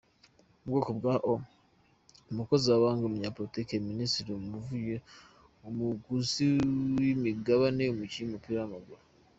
Ubwoko bwa O: umukozi wa Banki, umunyapolitiki, Minisitiri, umuguzi w’imigabane, umukinnyi w’umupira.